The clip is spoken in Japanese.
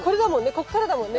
こっからだもんね。